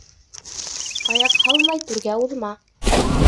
Аяҡ һалмай түргә уҙма.